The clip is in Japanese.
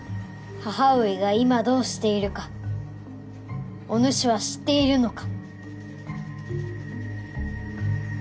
母上が今どうしているかおぬしは知っているのか？